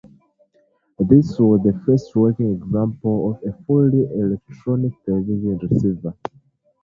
This was the first working example of a fully electronic television receiver.